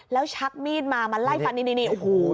แล้วชักมีดมามาไล่ฟันนี่โอ้โห